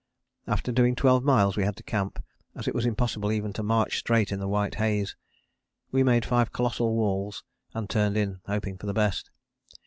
After doing twelve miles we had to camp, as it was impossible even to march straight in the white haze. We made five colossal walls and turned in, hoping for the best.